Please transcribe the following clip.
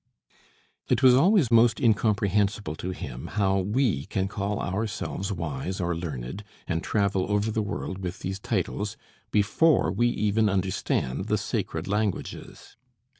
It was always most incomprehensible to him how we can call ourselves wise or learned, and travel over the world with these titles, before we even understand the sacred languages.